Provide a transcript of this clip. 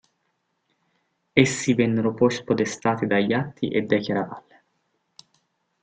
Essi vennero poi spodestati dagli Atti e dai Chiaravalle.